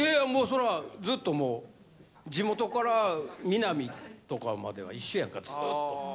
それは、ずっともう、地元からミナミとかまでは、一緒やから、ずっと。